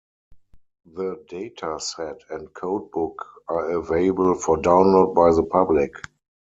The dataset and codebook are available for download by the public.